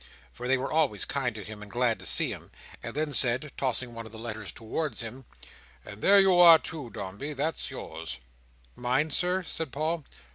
—for they were always kind to him, and glad to see him—and then said, tossing one of the letters towards him, "And there you are, too, Dombey. That's yours." "Mine, Sir?" said Paul.